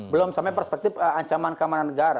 belum sampai perspektif ancaman keamanan negara